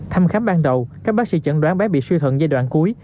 thăm khám ban đầu các bác sĩ chẩn đoán bé bị suy thận giai đoạn cuối